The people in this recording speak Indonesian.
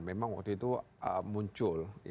memang waktu itu muncul